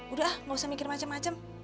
udah gak usah mikir macam macam